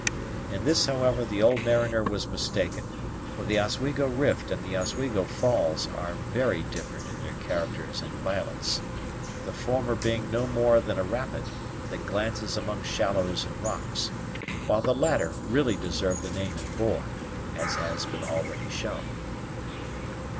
In this, however, the old mariner was mistaken, for the Oswego Rift and the Oswego Falls are very different in their characters and violence; the former being no more than a rapid, that glances among shallows and rocks, while the latter really deserved the name it bore, as has been already shown.